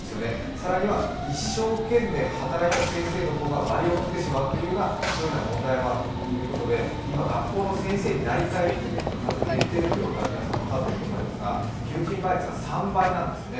更には一生懸命働いた先生の方が割を食ってしまうという、そういう問題もあるということで今学校の先生になりたいという人の数が減っているということは皆さん分かっていると思いますが、求人倍率が３倍なんですよね。